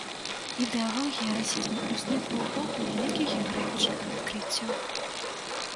Ідэалогія расізму ўзнікла ў эпоху вялікіх геаграфічных адкрыццяў.